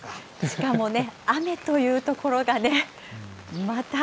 しかもね、雨というところがね、また。